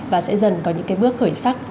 và sẽ dần có những bước khởi sắc rất là tốt đẹp